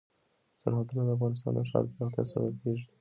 سرحدونه د افغانستان د ښاري پراختیا سبب کېږي.